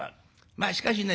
まあしかしね